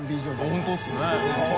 本当ですね。